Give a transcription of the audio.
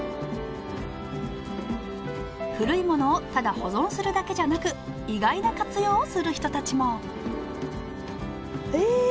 古いものをただ保存するだけじゃなく意外な活用をする人たちもええ！